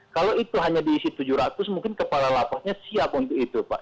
kalau itu hanya diisi tujuh ratus mungkin kepala lapasnya siap untuk itu pak